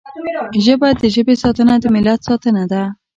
ژبه د ژبې ساتنه د ملت ساتنه ده